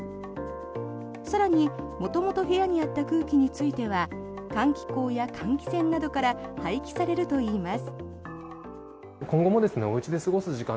更に、元々部屋にあった空気については換気口や換気扇などから排気されるといいます。